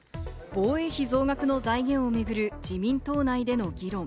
防衛費増額の財源をめぐる自民党内での議論。